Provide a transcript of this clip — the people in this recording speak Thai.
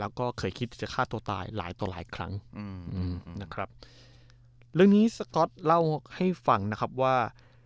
แล้วก็เคยคิดจะฆ่าตัวตายหลายต่อหลายครั้งอืมนะครับเรื่องนี้สก๊อตเล่าให้ฟังนะครับว่า